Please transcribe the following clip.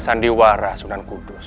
sandiwara sunan kudus